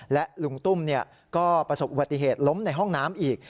และลุงตุ้มก็ประสบอุบัติเหตุล้มในห้องน้ำอีก